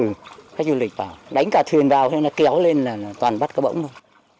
ừ khách du lịch vào đánh cả thuyền vào kéo lên là toàn bắt cá bỗng thôi